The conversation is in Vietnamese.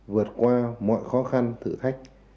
vượt qua mọi khó khăn thử thách